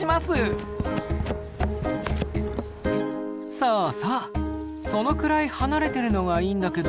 そうそうそのくらい離れてるのがいいんだけど。